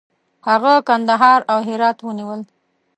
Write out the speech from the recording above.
هغه کندهار او هرات ونیول.